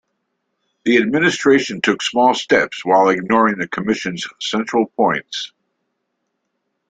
The administration took small steps while ignoring the commission's central points.